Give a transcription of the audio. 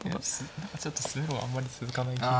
何かちょっと攻めはあんまり続かない気がしてしまって。